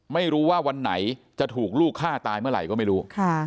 ไม่รู้ว่าวันไหนจะถูกลูกฆ่าตายเมื่อไหร่ก็ไม่รู้